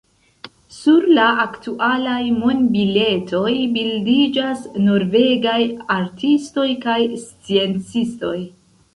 Sur la aktualaj monbiletoj bildiĝas norvegaj artistoj kaj sciencistoj.